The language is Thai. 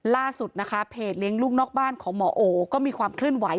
ล่าสุดนะคะเพจเลี้ยงลูกนอกบ้านของหมอโอก็มีความเคลื่อนไหว